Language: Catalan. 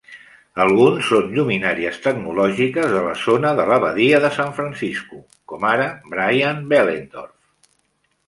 Alguns són lluminàries tecnològiques de la Zona de la Badia de San Francisco, com ara Brian Behlendorf.